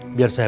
mamin mau tahu